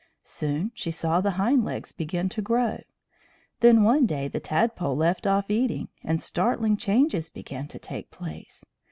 Soon she saw the hind legs begin to grow. Then one day the tadpole left off eating, and startling changes began to take place.